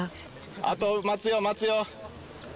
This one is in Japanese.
あと待つよ待つよ。